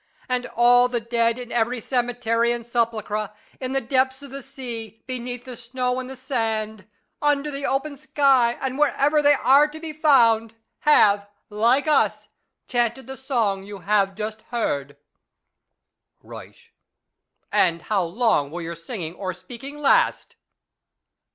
And all the dead in every cemetery and sepulchre, in the depths of the sea, beneath the snow and the sand, under the open sky, and wherever they are to be found, have like us chanted the song you have just heard. Euysch. And how long will your singing or speaking last?